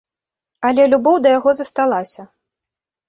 Але любоў да яго засталася.